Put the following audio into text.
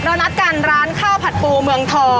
นัดกันร้านข้าวผัดปูเมืองทอง